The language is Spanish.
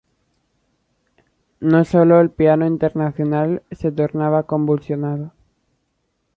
No sólo el plano internacional se tornaba convulsionado.